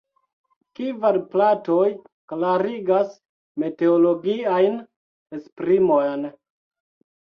Kvar platoj klarigas meteologiajn esprimojn.